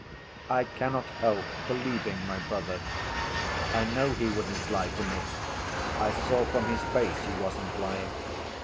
"I cannot help believing my brother. I know he wouldn't lie to me. I saw from his face he wasn't lying."